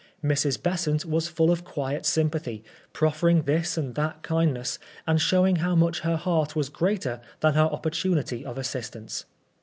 Mrs. Besant was full of quiet sym pathy, proffering this and that kindness, and showing how much her heart was greater than her opportunity of assistance.